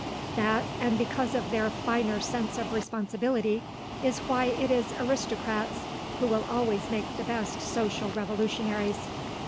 That, and because of their finer sense of responsibility, is why it is aristocrats who will always make the best social revolutionaries.